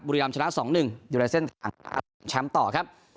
บุรีรัมชนะ๒๑อยู่ในเส้นขังขาดแชมป์ต่อครับ